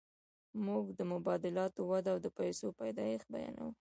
موږ د مبادلاتو وده او د پیسو پیدایښت بیانوو